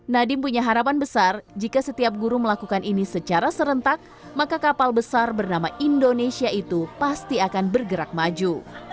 nadiem punya harapan besar jika setiap guru melakukan ini secara serentak maka kapal besar bernama indonesia itu pasti akan bergerak maju